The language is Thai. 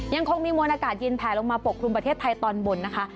ยังคงมีมวลอากาศเย็นแผลลงมาปกครุมประเทศไทยตอนบนนะคะ